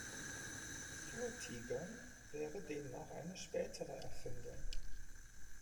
Vortigern wäre demnach eine spätere Erfindung.